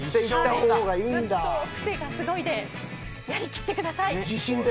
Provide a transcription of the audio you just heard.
クセがすごいでやり切ってください。